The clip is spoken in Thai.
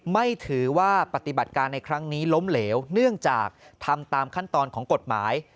ไม่ถือว่าปฏิบัติการในครั้งนี้ล้มเหลวเนื่องจากทำตามขั้นตอนของกฎหมาย